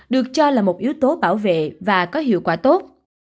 được cho là một yếu tố bảo vệ và có hiệu quả tốt